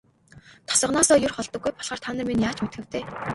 Тосгоноосоо ер холддоггүй болохоор та минь ч яаж мэдэх вэ дээ.